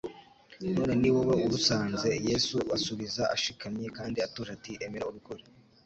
none ni wowe urusanze !" Yesu asubiza ashikamye kandi atuje ati : "emera ubikore,